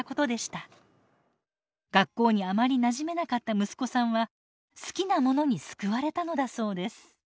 学校にあまりなじめなかった息子さんは好きなものに救われたのだそうです。